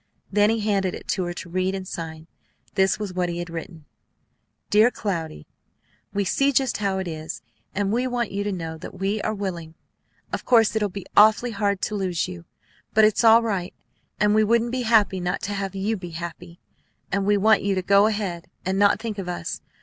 Then he handed it to her to read and sign. This was what he had written: "DEAR CLOUDY: We see just how it is, and we want you to know that we are willing. Of course it'll be awfully hard to lose you; but it's right, and we wouldn't be happy not to have you be happy; and we want you to go ahead and not think of us.